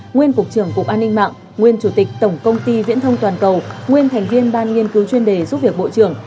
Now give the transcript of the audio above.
nguyên cục trưởng cục an ninh mạng nguyên chủ tịch tổng công ty viễn thông toàn cầu nguyên thành viên ban nghiên cứu chuyên đề giúp việc bộ trưởng